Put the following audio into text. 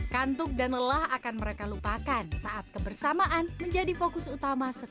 kantuk dan lelah akan mereka lupakan saat kebersamaan menjadi fokus utama